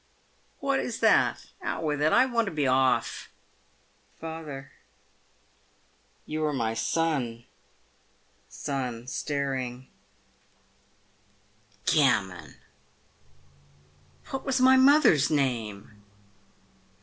What is that ? Out with it, I want to be off. Father. You are my son. PAYED WITH GOLD. 347 Son (staring). Gammon! "What was my mother's name